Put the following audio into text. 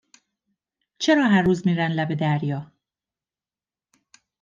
چرا هر روز میرن لب دریا؟